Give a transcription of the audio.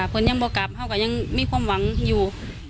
เพื่อนยังบอกกลับเขาก็ยังมีความหวังอยู่